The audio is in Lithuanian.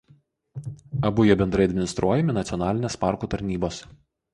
Abu jie bendrai administruojami nacionalinės parkų tarnybos.